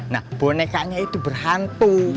nah bonekanya itu berhantu